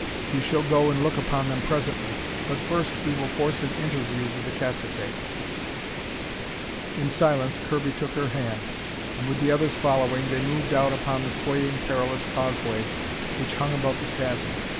We shall go and look upon them presently. But first we will force an interview with the caciques." In silence Kirby took her hand, and, with the others following, they moved out upon the swaying, perilous causeway which hung above the chasm.